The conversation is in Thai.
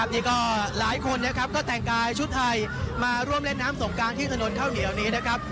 นี่ก็หลายคนนะครับก็แต่งกายชุดไทยมาร่วมเล่นน้ำสงการที่ถนนข้าวเหนียวนี้นะครับ